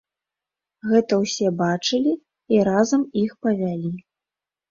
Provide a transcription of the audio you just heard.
Гэта ўсе бачылі, і разам іх павялі.